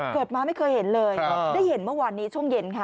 เกิดมาไม่เคยเห็นเลยได้เห็นเมื่อวานนี้ช่วงเย็นค่ะ